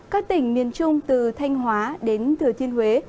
các tỉnh miền trung từ thanh hóa đến thừa thiên huế